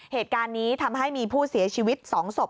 เหตุการณ์นี้ทำให้มีผู้เสียชีวิต๒ศพ